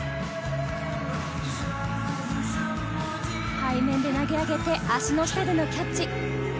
背面で投げ上げて足の下でのキャッチ。